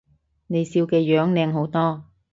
你笑嘅樣靚好多